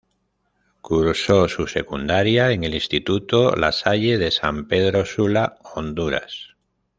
Cursó su secundaria en el instituto La Salle de San Pedro Sula, Honduras.